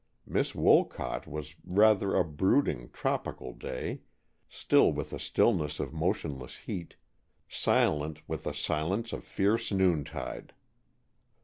Miss Wolcott was, rather, a brooding, tropical day, still with the stillness of motionless heat, silent with the silence of fierce noontide.